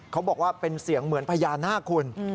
เขาบอกว่าเป็นเสียงเหมือนพญานาคคุณ